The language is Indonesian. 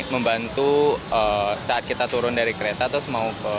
membantu saat kita turun dari kereta terus mau ke